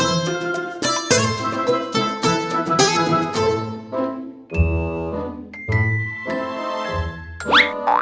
ini kita lihat